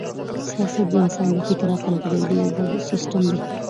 سیاست د انسان د فکر، عقل او تجربې یو ګډ سیسټم دئ.